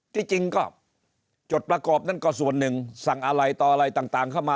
ที่จริงก็จดประกอบนั้นก็ส่วนหนึ่งสั่งอะไรต่ออะไรต่างเข้ามา